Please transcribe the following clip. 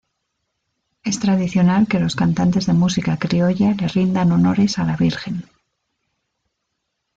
Es tradicional que los cantantes de música criolla le rindan honores a la Virgen.